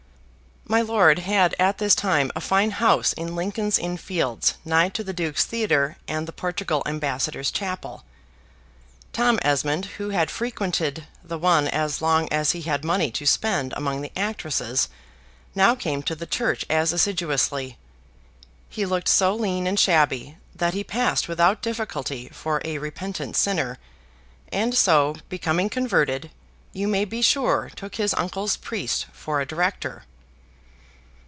My lord had at this time a fine house in Lincoln's Inn Fields, nigh to the Duke's Theatre and the Portugal ambassador's chapel. Tom Esmond, who had frequented the one as long as he had money to spend among the actresses, now came to the church as assiduously. He looked so lean and shabby, that he passed without difficulty for a repentant sinner; and so, becoming converted, you may be sure took his uncle's priest for a director.